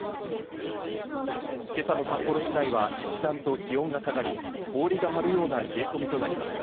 今朝の札幌市内は一段と気温が下がり、氷が張るような冷え込みとなりました。